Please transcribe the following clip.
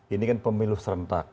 ini kan pemilu serentak